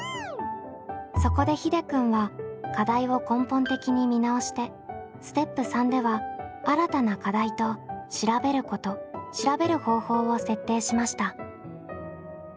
そこでひでくんは課題を根本的に見直してステップ３では新たな課題と調べること調べる方法を設定しました。